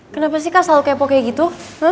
kenapa sih kan selalu kepo kayak gitu